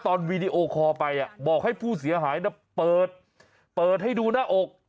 ตอนวิดีโอคอล์ไปบอกให้ผู้เสียหายจะเปิดเปิดให้ดูหน้าอก